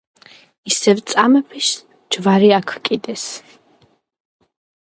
ისევ წამების ჯვარი აგკიდეს